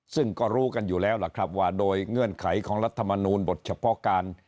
ซึ่งก็รู้กันอยู่แล้วล่ะครับว่าโดยเงื่อนไขของรัฐมนูลบทเฉพาะการ